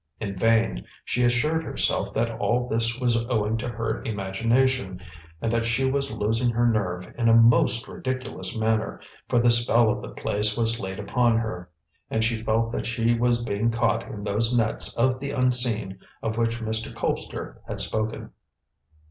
In vain she assured herself that all this was owing to her imagination, and that she was losing her nerve in a most ridiculous manner, for the spell of the place was laid upon her, and she felt that she was being caught in those nets of the Unseen of which Mr. Colpster had spoken.